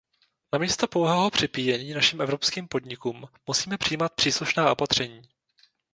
Namísto pouhého připíjení našim evropským podnikům musíme přijímat příslušná opatření.